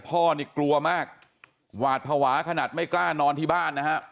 พ่อนี่กลัวมากหวาดภาวะขนาดไม่กล้านอนที่บ้านนะฮะ